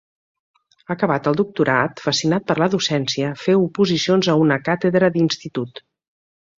Acabat el doctorat, fascinat per la docència, feu oposicions a una càtedra d'Institut.